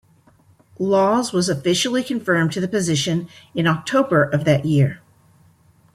Laws was officially confirmed to the position in October of that year.